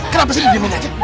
kenapa sih lu diam diam aja